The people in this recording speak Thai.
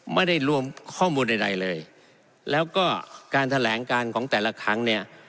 ไม่ได้รวมข้อมูลใดเลยแล้วก็การแถลงการของแต่ละครั้งเนี่ย